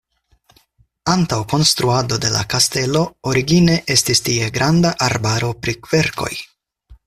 Antaŭ konstruado de la kastelo origine estis tie granda arbaro pri kverkoj.